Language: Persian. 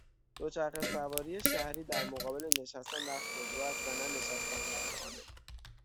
دوچرخه سواری شهری در مقابل نشستن در خودرو است و نه نشستن در خانه.